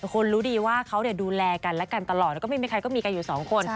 คนรู้ดีว่าเขาดูแลกันและกันตลอดแล้วก็ไม่มีใครก็มีกันอยู่สองคน